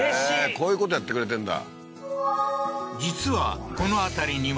こういうことやってくれてんだ